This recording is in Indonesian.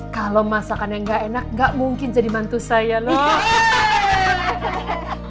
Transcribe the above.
kalau masakan yang gak enak gak mungkin jadi mantu saya loh